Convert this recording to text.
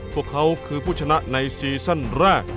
พวกเขาคือผู้ชนะในซีซั่นแรก